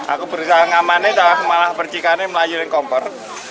aku berusaha ngamannya malah percikannya melayani kompor